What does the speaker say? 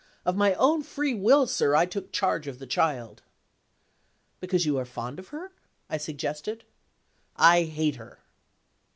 Of my own free will, sir, I took charge of the child." "Because you are fond of her?" I suggested. "I hate her."